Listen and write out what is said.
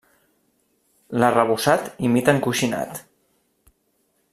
L'arrebossat imita encoixinat.